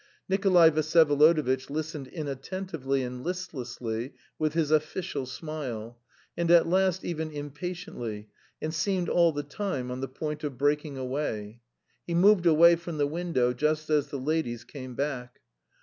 Nikolay Vsyevolodovitch listened inattentively and listlessly with his official smile, and at last even impatiently, and seemed all the time on the point of breaking away. He moved away from the window just as the ladies came back.